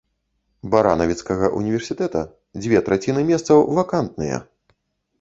Баранавіцкага ўніверсітэта дзве траціны месцаў вакантныя.